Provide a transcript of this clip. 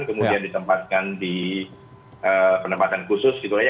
kemudian ditempatkan di penempatan khusus gitu lah ya